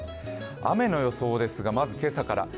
雨の予想ですが、まず今朝から。